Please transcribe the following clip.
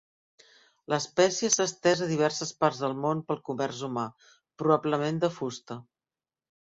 L'espècie s'ha estès a diverses parts del món pel comerç humà, probablement de fusta.